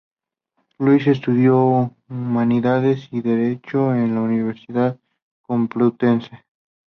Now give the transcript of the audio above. Luis estudió humanidades y derecho en la Universidad Complutense.